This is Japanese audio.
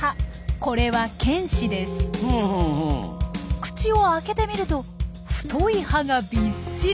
口を開けてみると太い歯がびっしり。